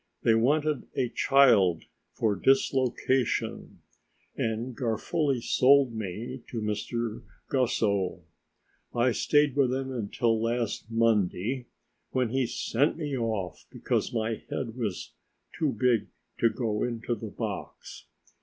They wanted a child for dislocation, and Garofoli sold me to Mr. Gassot. I stayed with him until last Monday, when he sent me off because my head was too big to go into the box.